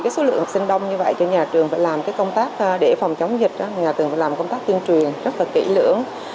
tuy nhiên nhà trường phải làm công tác tuyên truyền rất kỹ lưỡng